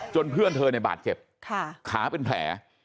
เพื่อนเธอในบาดเจ็บขาเป็นแผล